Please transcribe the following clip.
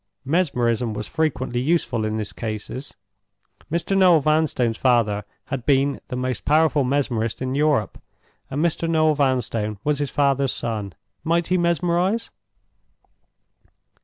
Mesmerism was frequently useful in these cases. Mr. Noel Vanstone's father had been the most powerful mesmerist in Europe, and Mr. Noel Vanstone was his father's son. Might he mesmerize?